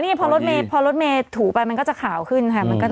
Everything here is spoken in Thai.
อ๋อนี่พอรถเมฆถูไปมันก็จะขาวขึ้นค่ะ